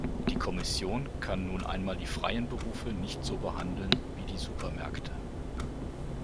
Die Kommission kann nun einmal die freien Berufe nicht so behandeln wie die Supermärkte.